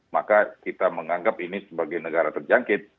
maka kita menganggap ini sebagai negara terjangkit